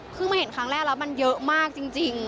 มาเห็นครั้งแรกแล้วมันเยอะมากจริง